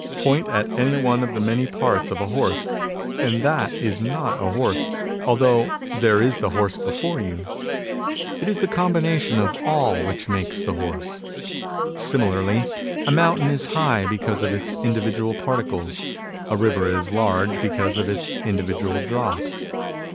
'' Point at any one of the many parts of a horse, and that is not a horse, although there is the horse before you. It is the combination of all which makes the horse. '' Similarly, a mountain is high because of its individual particles. A river is large because of its individuatl drops.